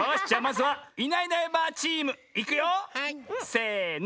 せの！